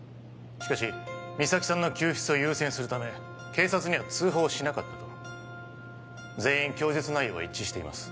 しかし実咲さんの救出を優先するため警察には通報しなかったと全員供述内容は一致しています